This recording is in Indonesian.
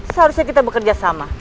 seharusnya kita bekerja sama